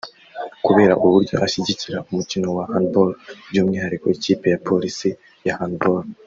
kubera uburyo ashyigikira umukino wa handball by’umwihariko ikipe ya Police ya handball